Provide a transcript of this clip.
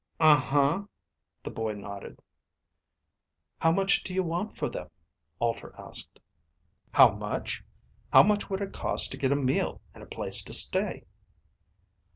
"Un huh," the boy nodded. "How much do you want for them?" Alter asked. "How much? How much would it cost to get a meal and a place to stay?"